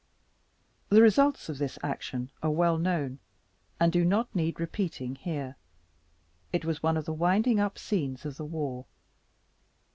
The results of this action are well known, and do not need repeating here; it was one of the winding up scenes of the war.